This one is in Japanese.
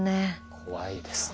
怖いですね。